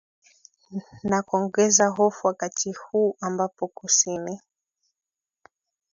na kuongeza hofu wakati huu ambapo kusini